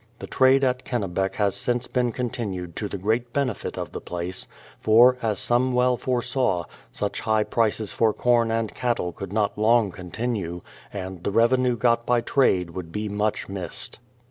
The trade at Kennebec has since been continued to the great benefit of the place; for, as some well foresaw, such high prices for corn and cattle could not long continue, and the revenue got by trade would be much missed.